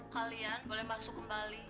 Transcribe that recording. kalian boleh masuk kembali